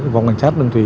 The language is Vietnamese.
phòng cảnh sát đường thủy